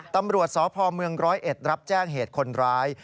ตำรวจสพเมืองร้อยเอ็ดรับแจ้งเหตุคนร้าย